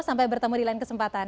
sampai bertemu di lain kesempatan